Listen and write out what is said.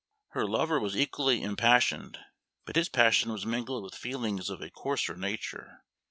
Her lover was equally impassioned, but his passion was mingled with feelings of a coarser nature.